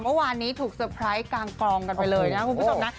เมื่อวานนี้ถูกเตอร์ไพรส์กลางกลองกันไปเลยนะคุณผู้ชมนะ